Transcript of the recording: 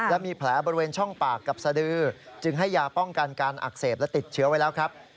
และมีแผลบริเวณช่องปากกับสดือจึงให้ยาป้องกันการอักเสบและติดเชื้อไว้แล้วครับ